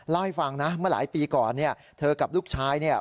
เล่าให้ฟังนะเมื่อหลายปีก่อนเนี่ยเธอกับลูกชายเนี่ย